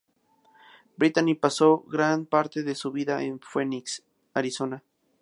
Brittany pasó gran parte de su vida en Phoenix, Arizona.